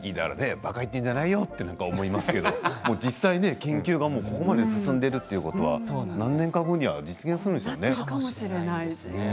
ばか言ってんじゃないよと思いますけれど実際、研究はここまで進んでいるということは何年か後には実現するでしょうね。